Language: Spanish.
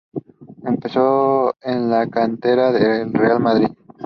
Empezó en la cantera del Real Madrid.